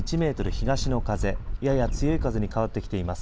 東の風やや強い風に変わってきています。